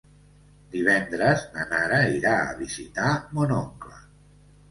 Divendres na Nara irà a visitar mon oncle.